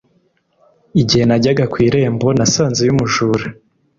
igihe najyaga ku irembo nasanzeyo umujura.